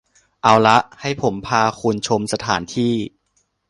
เอาละ ให้ผมพาคุณชมสถานที่